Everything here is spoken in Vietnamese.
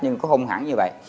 nhưng mà không hẳn như vậy